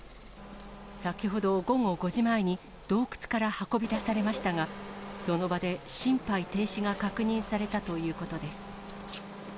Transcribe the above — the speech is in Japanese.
先ほど午後５時前に、洞窟から運び出されましたが、その場で心肺停止が確認されたということです。